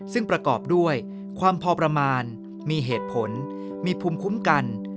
ซึ่งประกอบด้วยความพอประมาณมีเหตุผลมีภูมิคุ้มกัน